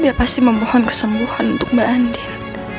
dia pasti memohon kesembuhan untuk mbak andi